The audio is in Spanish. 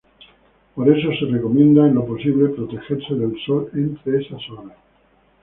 Por eso se recomienda en lo posible protegerse del sol entre esas horas.